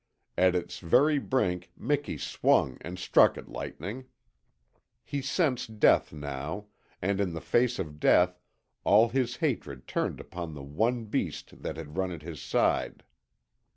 At its very brink Miki swung and struck at Lightning. He sensed death now, and in the face of death all his hatred turned upon the one beast that had run at his side.